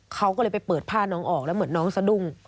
เขาก็เลยไปเปิดผ้าน้องออกแล้วเหมือนน้องสะดุ้ง